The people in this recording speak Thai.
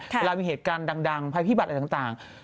เวลามีเหตุการณ์ดังภัยพิบัตรอะไรต่าง